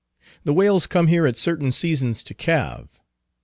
The whales come here at certain seasons to calve.